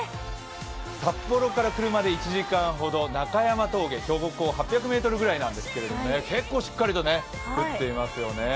札幌から車で１時間ほど、中山峠、標高８００ｍぐらいなんですけど、結構しっかりと降っていますよね。